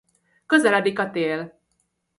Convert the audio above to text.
Közeledik a tél.